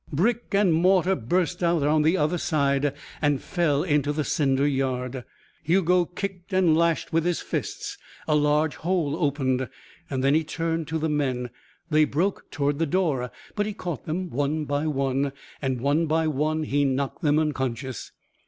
Brick and mortar burst out on the other side and fell into the cinder yard. Hugo kicked and lashed with his fists. A large hole opened. Then he turned to the men. They broke toward the door, but he caught them one by one and one by one he knocked them unconscious.